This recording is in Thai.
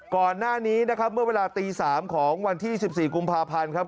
ก่อนหน้านี้นะครับเมื่อเวลาตี๓ของวันที่๑๔กุมภาพันธ์ครับ